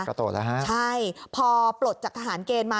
กระโดดแล้วฮะใช่พอปลดจากทหารเกณฑ์มา